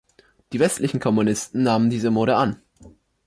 Die westlichen Kommunisten nahmen diese Mode an.